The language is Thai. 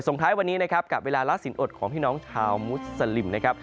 ส่งท้ายวันนี้กับเวลาลักษณ์อดของพี่น้องชาวมุสลิมนะครับ